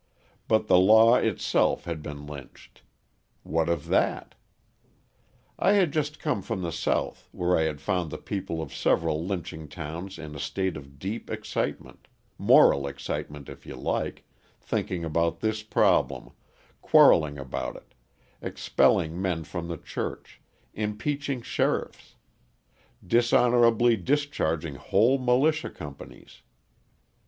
But the law itself had been lynched. What of that? I had just come from the South, where I had found the people of several lynching towns in a state of deep excitement moral excitement if you like, thinking about this problem, quarrelling about it, expelling men from the church, impeaching sheriffs, dishonourably discharging whole militia companies.